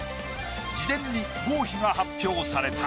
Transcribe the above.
事前に合否が発表された。